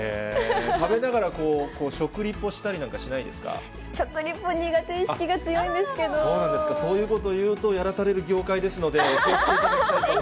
食べながらこう、食リポした食リポ、苦手意識が強いんでそうなんですか、そういうことを言うと、やらされる業界ですので、お気をつけいただきたいと思います。